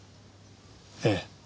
ええ。